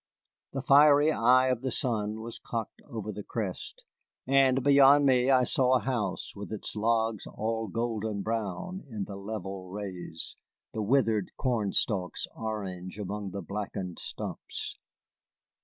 The fiery eye of the sun was cocked over the crest, and beyond me I saw a house with its logs all golden brown in the level rays, the withered cornstalks orange among the blackened stumps.